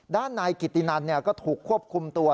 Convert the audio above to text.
ด้านนายกิตินันก็ถูกควบคุมตัว